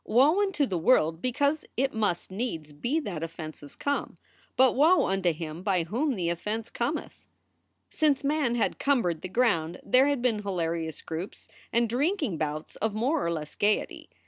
"Woe unto the world because it must needs be that offenses come, but woe unto him by whom the offense cometh." Since man had cumbered the ground there had been hilarious groups and drinking bouts of more or less gayety.